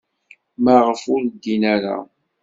Maɣef ur ddin ara?